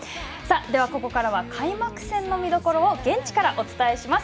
では、ここからは開幕戦の見どころを現地からお伝えします。